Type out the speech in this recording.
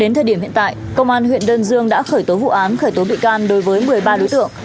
đến thời điểm hiện tại công an huyện đơn dương đã khởi tố vụ án khởi tố bị can đối với một mươi ba đối tượng